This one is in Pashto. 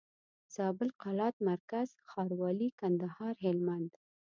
زابل قلات مرکز ښاروالي کندهار هلمند